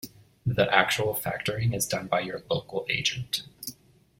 The actual factoring is done by your local agent.